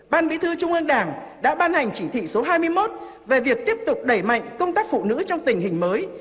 ban bí thư trung ương đảng đã ban hành chỉ thị số hai mươi một về việc tiếp tục đẩy mạnh công tác phụ nữ trong tình hình mới